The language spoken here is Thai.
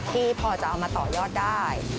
ที่พอจะเอามาต่อยอดได้